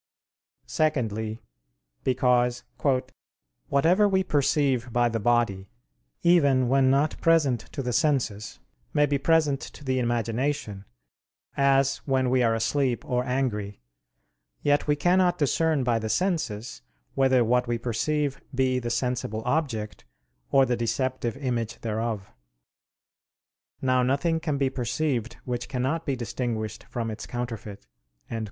Secondly, because, "whatever we perceive by the body, even when not present to the senses, may be present to the imagination, as when we are asleep or angry: yet we cannot discern by the senses, whether what we perceive be the sensible object or the deceptive image thereof. Now nothing can be perceived which cannot be distinguished from its counterfeit."